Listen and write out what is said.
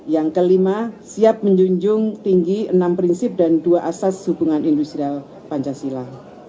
yang kelima siap menjunjung tinggi enam prinsip dan dua asas hubungan industrial pancasila